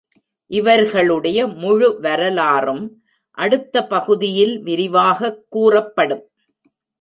இவர்களுடைய முழு வரலாறும் அடுத்த பகுதியில் விரிவாகக் கூறப்படும்.